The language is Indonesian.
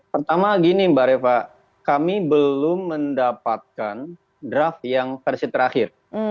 pertama gini mbak reva kami belum mendapatkan draft yang versi terakhir